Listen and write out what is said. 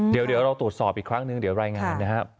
เดี๋ยวเราตรวจสอบอีกครั้งนึงเดี๋ยวรายงานนะครับ